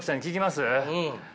うん。